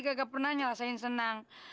gak pernah nyelesain senang